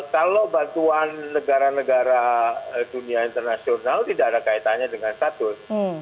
kalau bantuan negara negara dunia internasional tidak ada kaitannya dengan status